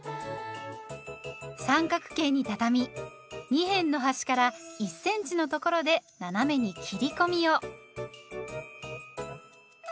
三角形にたたみ二辺の端から１センチのところで斜めに切り込みを。